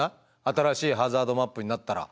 新しいハザードマップになったら。